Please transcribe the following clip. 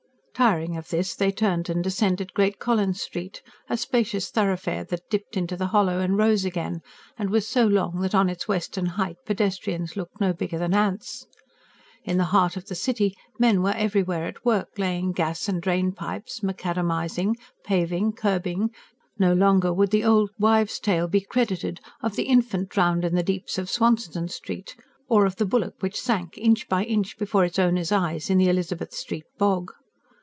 Tiring of this they turned and descended Great Collins Street a spacious thoroughfare that dipped into the hollow and rose again, and was so long that on its western height pedestrians looked no bigger than ants. In the heart of the city men were everywhere at work, laying gas and drain pipes, macadamising, paving, kerbing: no longer would the old wives' tale be credited of the infant drowned in the deeps of Swanston Street, or of the bullock which sank, inch by inch, before its owner's eyes in the Elizabeth Street bog.